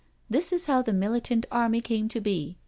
This is how the militant army came to be.